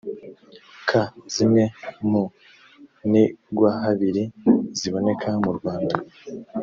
ka zimwe mu nigwahabiri ziboneka mu rwanda